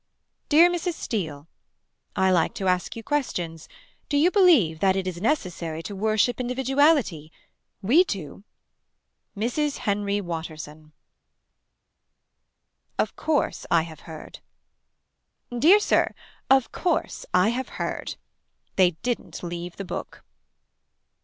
Dear Mrs. Steele. I like to ask you questions. Do you believe that it is necessary to worship individuality. We do. Mrs. Henry Watterson. Of course I have heard. Dear Sir. Of course I have heard. They didn't leave the book.